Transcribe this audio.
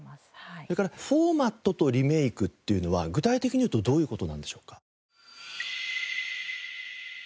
それからフォーマットとリメイクっていうのは具体的に言うとどういう事なんでしょうか？